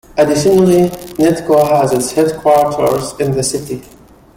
Additionally, Netco has its headquarters in the city.